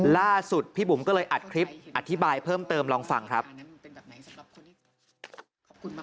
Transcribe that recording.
ล่าสุดพี่บุ๋มก็เลยอัดคลิปอธิบายเพิ่มเติมลองฟังครับ